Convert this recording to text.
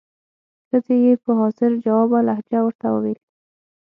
ښځې یې په حاضر جوابه لهجه ورته وویل.